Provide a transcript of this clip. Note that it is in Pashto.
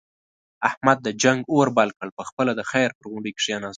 احمد د جنگ اور بل کړ، په خپله د خیر په غونډۍ کېناست.